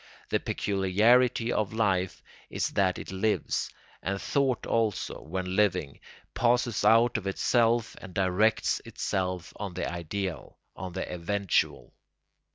The peculiarity of life is that it lives; and thought also, when living, passes out of itself and directs itself on the ideal, on the eventual.